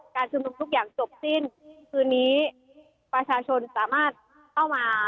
การชุมนุมทุกอย่างจบสิ้นคืนนี้ประชาชนสามารถเข้ามา